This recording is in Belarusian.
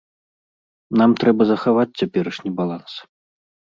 Нам трэба захаваць цяперашні баланс.